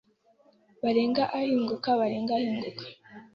barenga ahinguka, barenga ahinguka.